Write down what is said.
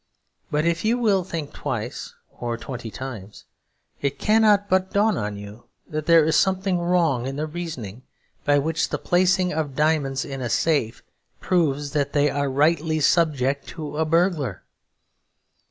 But if you will think twice or twenty times, it cannot but dawn on you that there is something wrong in the reasoning by which the placing of diamonds in a safe proves that they are "rightly subject" to a burglar.